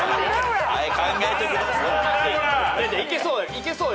いけそうよ